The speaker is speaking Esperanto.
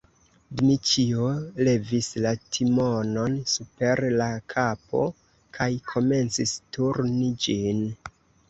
Dmiĉjo levis la timonon super la kapo kaj komencis turni ĝin.